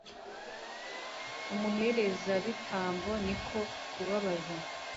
umuherezabitambo ni ko kubabaza